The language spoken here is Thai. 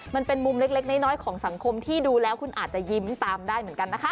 มันเป็นมุมเล็กน้อยของสังคมที่ดูแล้วคุณอาจจะยิ้มตามได้เหมือนกันนะคะ